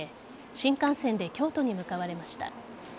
新幹線で京都に向かわれました。